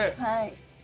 はい。